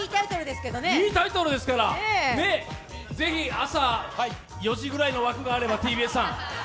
いいタイトルですから、ぜひ朝４時ぐらいの枠があれば、ＴＢＳさん。